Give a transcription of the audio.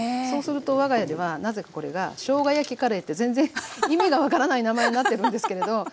そうすると我が家ではなぜかこれが「しょうが焼きカレー」って全然意味が分からない名前になってるんですけれど。